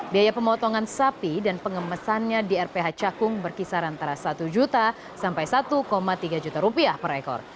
biaya pemotongan sapi dan pengemesannya di rph cakung berkisar antara satu juta sampai satu tiga juta rupiah per ekor